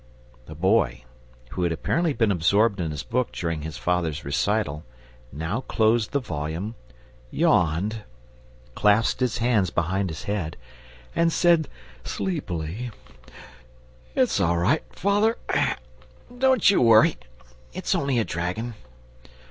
The Boy, who had apparently been absorbed in his book during his father's recital, now closed the volume, yawned, clasped his hands behind his head, and said sleepily: "It's all right, father. Don't you worry. It's only a dragon."